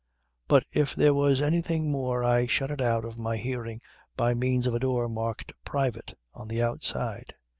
But if there was anything more I shut it out of my hearing by means of a door marked Private on the outside.